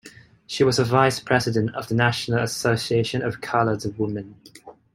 She was a vice-president of the National Association of Colored Women.